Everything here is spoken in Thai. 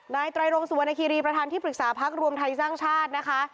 ไตรรงสุวรรณคีรีประธานที่ปรึกษาพักรวมไทยสร้างชาตินะคะ